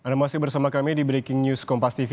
anda masih bersama kami di breaking news kompas tv